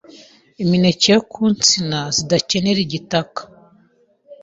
imineke yo ku nsina 'zidacyenera igitaka'